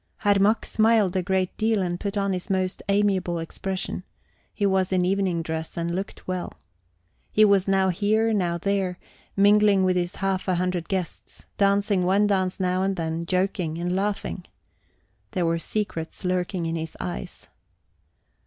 Herr Mack smiled a great deal and put on his most amiable expression; he was in evening dress, and looked well. He was now here, now there, mingling with his half a hundred guests, dancing one dance now and then, joking and laughing. There were secrets lurking in his eyes.